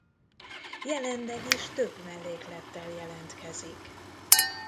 Jelenleg is több melléklettel jelentkezik.